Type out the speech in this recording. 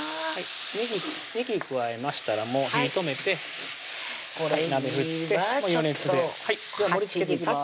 ねぎ加えましたらもう火止めてこれいいわ鍋振って余熱ででは盛りつけていきます